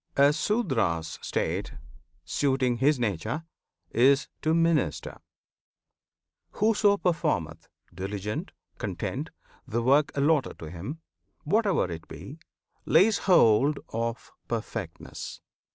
A Sudra's state, Suiting his nature, is to minister. Whoso performeth diligent, content The work allotted him, whate'er it be, Lays hold of perfectness!